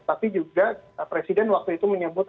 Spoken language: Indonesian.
tapi juga presiden waktu itu menyebut